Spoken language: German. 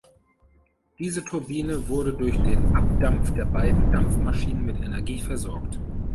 Diese Turbine wurde durch den Abdampf der beiden Dampfmaschinen mit Energie versorgt.